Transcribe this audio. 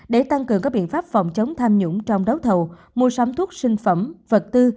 để tăng cường các biện pháp phòng chống tham nhũng trong đấu thầu mua sắm thuốc sinh phẩm vật tư